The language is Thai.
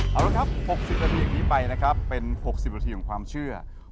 เอาละครับ๖๐นาทีอย่างนี้ไปนะครับเป็น๖๐นาทีของความเชื่อ